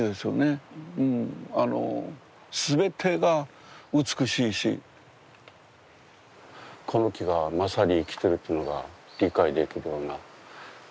全てが美しいしこの木がまさに生きてるというのが理解できるような。